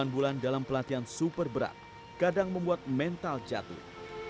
sembilan bulan dalam pelatihan super berat kadang membuat mental jatuh